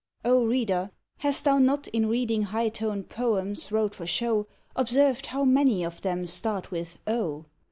(O Reader, hast thou not In readin high toned poems wrote for show, Observed how many of them start with " O?